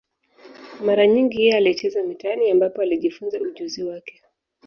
Mara nyingi yeye alicheza mitaani, ambapo alijifunza ujuzi wake.